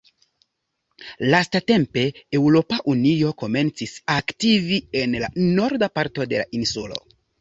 Lastatempe Eŭropa Unio komencis aktivi en la norda parto de la insulo.